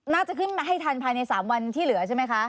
น่าจะขึ้นมาให้ทันภายใน๓วันที่เหลือใช่ไหมคะ